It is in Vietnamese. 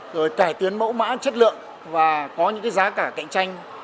rồi cải tiến mẫu mã chất lượng và có những cái giá cả cạnh tranh